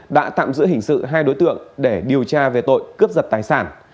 đã tạm giữ hình sự hai đối tượng để điều tra về tội cướp giật tài sản